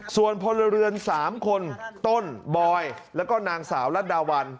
ส่วนพลเรือน๓คนต้นบอยแล้วก็นางสาวรัดดาวัน